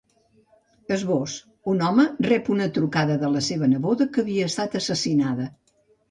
Esbós: Un home rep una trucada de la seva neboda, que havia estat assassinada.